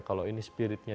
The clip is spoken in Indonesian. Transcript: kalau ini spiritualnya